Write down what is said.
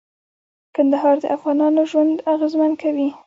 کندهار د افغانانو ژوند اغېزمن کوي.